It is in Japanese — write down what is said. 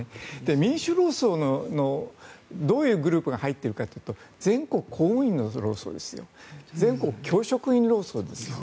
民主労総のどういうグループが入っているかというと全国公務員労総ですよ全国教職員労総ですよ。